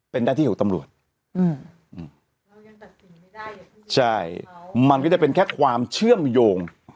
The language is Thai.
เป็นหน้าที่ของตำรวจอืมใช่มันก็จะเป็นแค่ความเชื่อมโยง